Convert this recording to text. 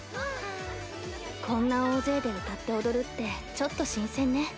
こんな大勢で歌って踊るってちょっと新鮮ね。